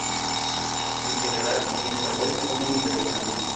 En general, el desarrollo fue muy interesante.